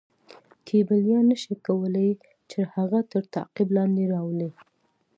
کیبلیان نه شي کولای چې هغه تر تعقیب لاندې راولي.